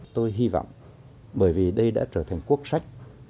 tôi hy vọng bởi vì đây đã trở thành quốc sách